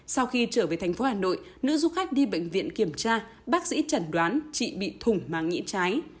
sau khi trở về thành phố hà nội nữ du khách đi bệnh viện kiểm tra bác sĩ chẩn đoán chị bị thủng màng nhĩ trái